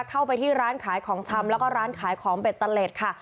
เข้าไปที่ร้านขายของชำแล้วก็ร้านขายของเบ็ตเตอร์เล็ตค่ะ